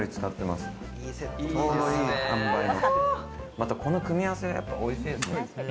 またこの組み合わせ、おいしいっすね。